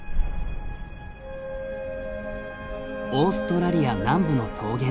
オーストラリア南部の草原。